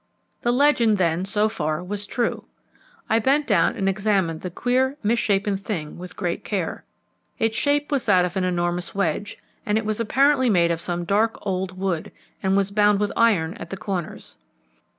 The legend then so far was true. I bent down and examined the queer, misshapen thing with great care. Its shape was that of an enormous wedge, and it was apparently made of some dark old wood, and was bound with iron at the corners.